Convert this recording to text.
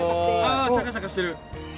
あシャカシャカしてる！